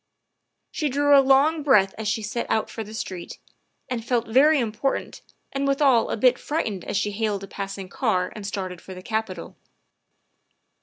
'' She drew a long breath as she set out for the street, and felt very important and withal a bit frightened as she hailed a passing car and started for the Capitol.